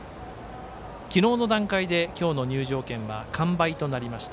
昨日の段階で今日の入場券は完売となりました。